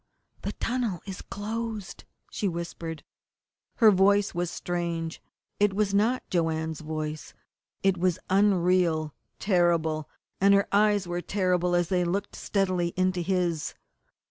"The tunnel is closed!" she whispered. Her voice was strange. It was not Joanne's voice. It was unreal, terrible, and her eyes were terrible as they looked steadily into his.